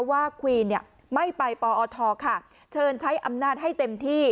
ควีนไม่ไปปอทค่ะเชิญใช้อำนาจให้เต็มที่